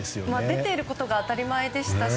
出ていることが当たり前でしたし。